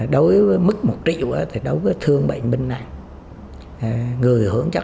đối với mức một triệu thì đối với thương bệnh binh này